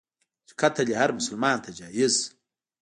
چي قتل یې هرمسلمان ته جایز.